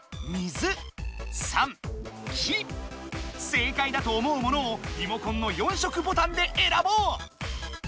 正解だと思うものをリモコンの４色ボタンでえらぼう！